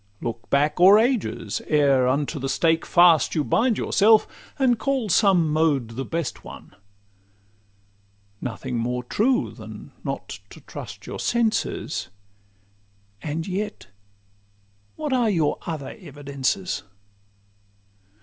Look back o'er ages, ere unto the stake fast You bind yourself, and call some mode the best one. Nothing more true than not to trust your senses; And yet what are your other evidences?